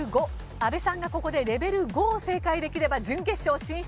阿部さんがここでレベル５を正解できれば準決勝進出。